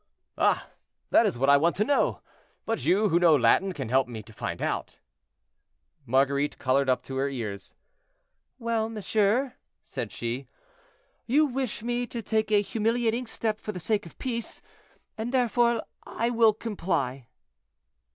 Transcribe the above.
"Ah! that is what I want to know, but you, who know Latin, can help me to find out." Marguerite colored up to her ears. "Well, monsieur," said she, "you wish me to take a humiliating step for the sake of peace, and therefore I will comply."